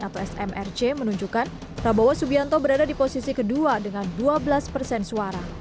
atau smrc menunjukkan prabowo subianto berada di posisi kedua dengan dua belas persen suara